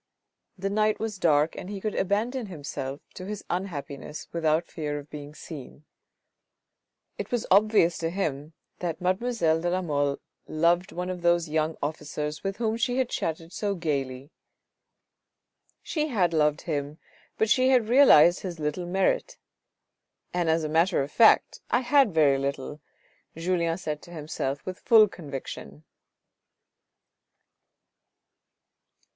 The night was dark and he could abandon himself to his unhappiness without fear of being seen. It was obvious to him that mademoiselle de la Mole loved one of those young officers with whom she had chatted so gaily. She had loved him, but she had realised his little merit, " and as a matter of fact I had very little," Julien said to himself with full con viction.